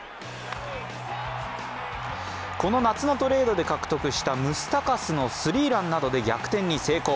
この夏のトレードで獲得したムスタカスのスリーランなどで逆転に成功。